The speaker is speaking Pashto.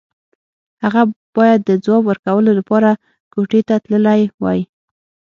هغه بايد د ځواب ورکولو لپاره کوټې ته تللی وای.